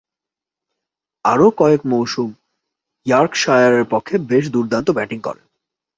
আরও কয়েক মৌসুম ইয়র্কশায়ারের পক্ষে বেশ দূর্দান্ত ব্যাটিং করেন।